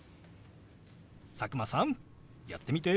佐久間さんやってみて。